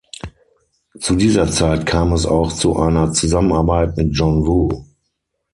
Zu dieser Zeit kam es auch zu einer Zusammenarbeit mit John Woo.